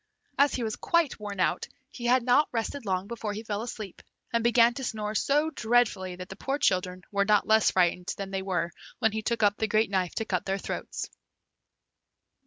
As he was quite worn out, he had not rested long before he fell asleep, and began to snore so dreadfully that the poor children were not less frightened than they were when he took up the great knife to cut their throats.